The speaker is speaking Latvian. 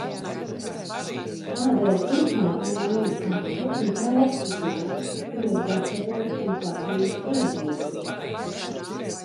Tādēļ turpmāk mainu katlu un trauku izmērus, kuros gatavoju un pasniedzu ēdienu.